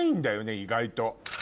意外と。